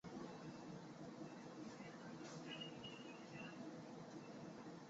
麓川思氏的势力范围。